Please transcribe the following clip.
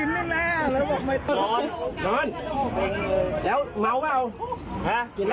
ไม่มีใครอยู่บ่ร